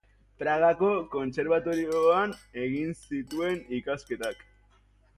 Pragako kontserbatorioan egin zituen ikasketak.